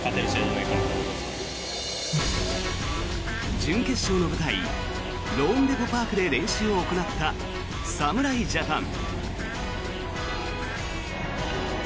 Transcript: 準決勝の舞台ローンデポ・パークで練習を行った侍ジャパン。